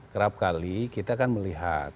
kerap kali kita kan melihat